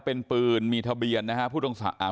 เป็นปืนมีทะเบียนนะครับ